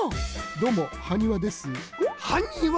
どうもハニワですハニワ！？